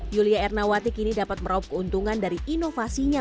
yulia ernawati kini dapat meraup keuntungan dari inovasinya